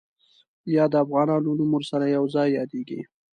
یا د افغانانو نوم ورسره یو ځای یادېږي.